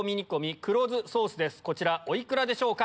こちらお幾らでしょうか？